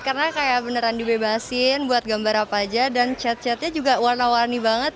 karena kayak beneran dibebasin buat gambar apa aja dan cat catnya juga warna warni banget